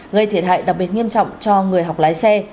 gây thiệt hại đặc biệt nghiêm trọng cho người học lái xe